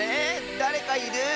だれかいる。